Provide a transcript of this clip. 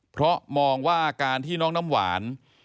เพราะมองว่าอาการที่น้องน้ำหวาน